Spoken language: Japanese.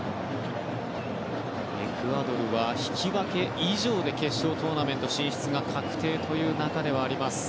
エクアドルは引き分け以上で決勝トーナメント進出が確定という中です。